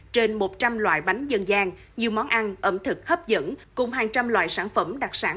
trên một trăm linh loại bánh dân gian nhiều món ăn ẩm thực hấp dẫn cùng hàng trăm loại sản phẩm đặc sản